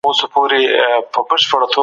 روغتيايي خدمتونه به هر ځای ته رسېدلي وي.